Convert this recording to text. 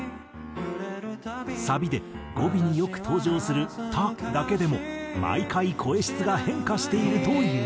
サビで語尾によく登場する「た」だけでも毎回声質が変化しているという。